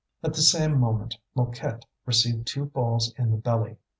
At the same moment Mouquette received two balls in the belly.